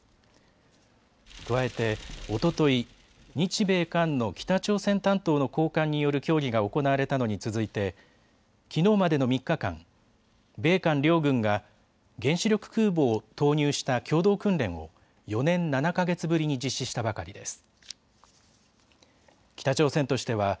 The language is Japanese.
加えておととい日米韓の北朝鮮担当の高官による協議が行われたのに続いてきのうまでの３日間、米韓両軍が原子力空母を投入した共同訓練を４年７か月ぶりに実施したばかりです。